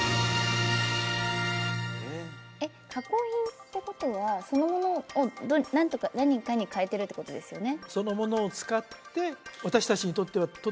加工品ってことはそのものを何かに変えてるってことですよね？